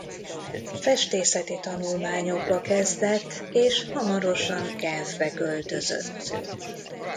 Festészeti tanulmányokba kezdett és hamarosan Genfbe költözött.